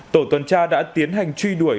tổ tuần tra đã tiến hành truy đuổi